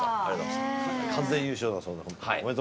完全優勝だそうで。